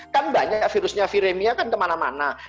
kan banyak virusnya viremia kan kemana mana